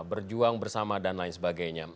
berjuang bersama dan lain sebagainya